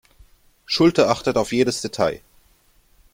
Schulte achtet auf jedes Detail.